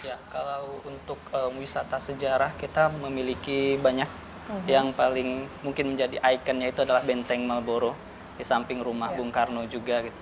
ya kalau untuk wisata sejarah kita memiliki banyak yang paling mungkin menjadi ikonnya itu adalah benteng malboro di samping rumah bung karno juga